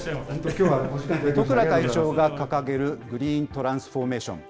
十倉会長が掲げるグリーン・トランスフォーメーション。